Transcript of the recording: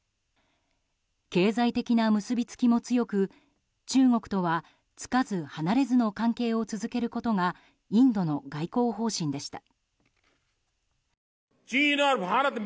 経済的な結びつきも強く中国とはつかず離れずの関係を続けることがインドの外交方針でした。